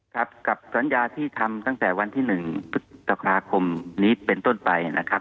ครับกับสัญญาที่ทำตั้งแต่วันที่๑พฤษภาคมนี้เป็นต้นไปนะครับ